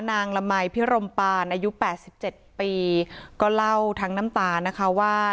นางละมายพิรมปานอายุแปดสิบเจ็ดปีก็เล่าทั้งน้ำตานะคะว่า